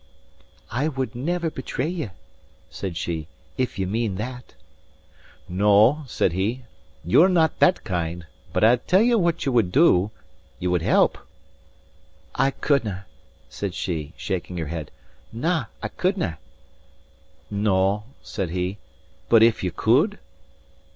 "I would never betray ye," said she, "if ye mean that." "No," said he, "ye're not that kind. But I'll tell ye what ye would do, ye would help." "I couldnae," said she, shaking her head. "Na, I couldnae." "No," said he, "but if ye could?"